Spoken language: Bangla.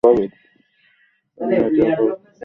তুমি আজ যা করেছ তা সত্যিই প্রশংসনীয়।